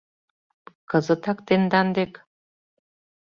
Кызытак тендан дек?